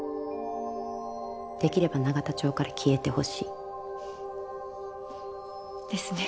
できれば永田町から消えてほしい。ですね。